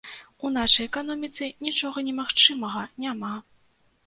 У нашай эканоміцы нічога немагчымага няма.